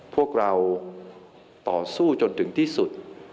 พวกเราต่อสู้จนถึงที่สุด